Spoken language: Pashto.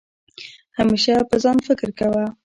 همېشه په ځان فکر کوه